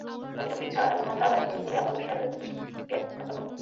অভিযোগ মিথ্যা এবং মামলা হয়রানিমূলক হলে আমরা অবশ্যই আমাদের কূটনীতিককে রক্ষা করব।